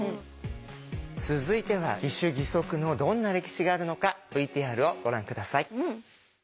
続いては義手義足のどんな歴史があるのかＶＴＲをご覧下さい。